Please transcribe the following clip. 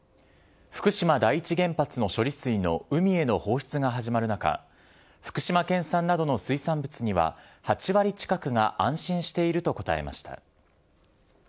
福島第一原発の処理水の海への放出が始まる中、福島県産などの水産物には８割近くが安心していると答えました。